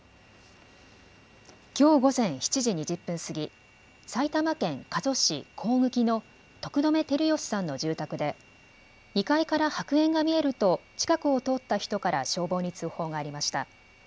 きょう午前７時２０分過ぎ埼玉県加須市鴻茎の徳留照義さんの住宅で２階から白煙が見えると近くを通った人から消防に通報がありました。